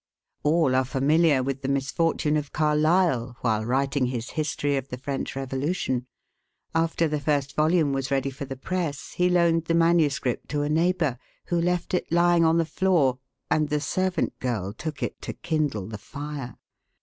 All are familiar with the misfortune of Carlyle while writing his "History of the French Revolution." After the first volume was ready for the press, he loaned the manuscript to a neighbor, who left it lying on the floor, and the servant girl took it to kindle the fire.